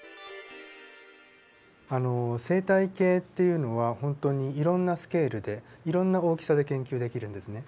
生態系っていうのは本当にいろんなスケールでいろんな大きさで研究できるんですね。